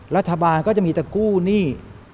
รัฐบาลก็จะมีแต่กู้หนี้